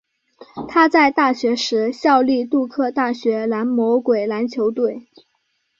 他在大学时效力杜克大学蓝魔鬼篮球队。